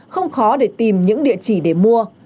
không khó để tìm những địa chỉ để mua